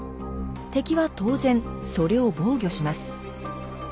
敵は当然それを防御します。